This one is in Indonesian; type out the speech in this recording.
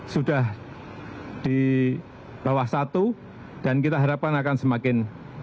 sudah di bawah satu dan kita harapkan akan semakin